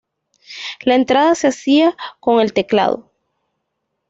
La entrada se hacía con el teclado.